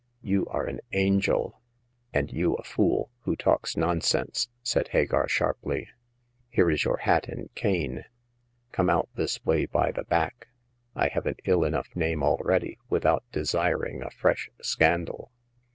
" You are an angel !"" And you a fool, who talks nonsense !" said Hagar, sharply. Here is your hat and cane. Come out this way by the back. I have an ill enough name already, without desiring a fresh scandal.